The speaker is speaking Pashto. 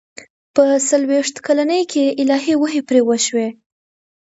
په څلوېښت کلنۍ کې الهي وحي پرې وشي.